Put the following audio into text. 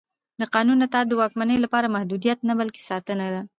د قانون اطاعت د واکمنۍ لپاره محدودیت نه بلکې ساتنه ده